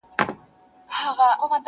که ته نه وې یوه بل ته دښمنان دي٫